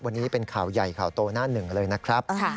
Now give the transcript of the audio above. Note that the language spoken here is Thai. วันนี้เป็นข่าวใหญ่ข่าวโตหน้าหนึ่งเลยนะครับ